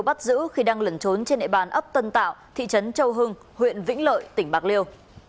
bắt giữ khi đang lẩn trốn trên địa bàn ấp tân tạo thị trấn châu hưng huyện vĩnh lợi tỉnh bạc liêu